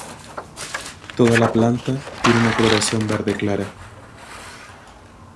Toda la planta tiene una coloración verde clara.